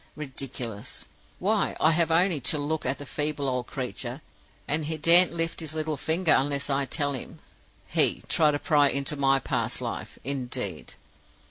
Ridiculous! Why, I have only to look at the feeble old creature, and he daren't lift his little finger unless I tell him. He try to pry into my past life, indeed!